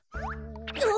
あ！